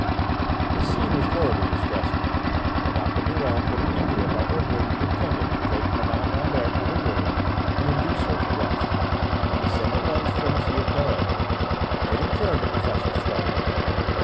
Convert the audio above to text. The scene was horribly distressing, and Dr. Biron put an end to it by ordering the attendant to take Mme. Rambert to her room and induce her to rest, and to send at once for M. Perret. Then he turned to Professor Swelding.